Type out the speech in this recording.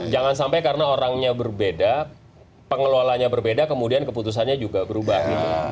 jangan sampai karena orangnya berbeda pengelolanya berbeda kemudian keputusannya juga berubah